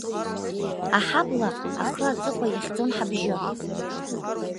Аҳабла ахыаҵыхәа иахьӡон ҳабжьы.